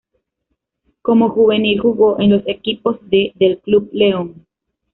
Como juvenil, jugó en los equipos de del Club León.